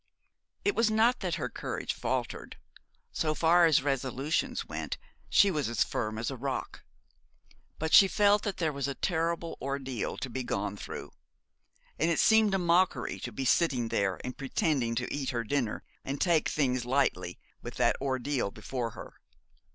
It was not that her courage faltered. So far as resolutions went she was as firm as a rock. But she felt that there was a terrible ordeal to be gone through; and it seemed a mockery to be sitting there and pretending to eat her dinner and take things lightly, with that ordeal before her.